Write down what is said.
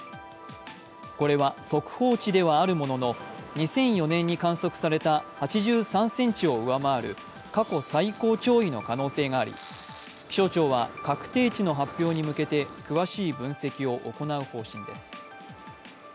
これは速報値ではあるものの２００４年に観測された８３ｃｍを上回る過去最高潮位の可能性があり気象庁は確定値の発表に向けて詳しい分析を行う方針です。